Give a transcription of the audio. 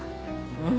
うん。